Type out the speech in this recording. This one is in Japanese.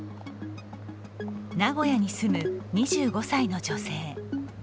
名古屋に住む２５歳の女性。